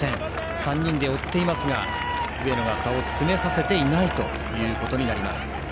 ３人で追っていますが上野が差を詰めさせていないということです。